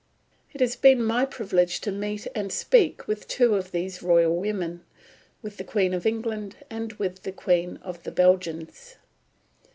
It has been my privilege to meet and speak with two of these royal women, with the Queen of England and with the Queen of the Belgians.